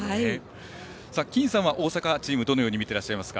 金さんは大阪チームをどのようにみていますか。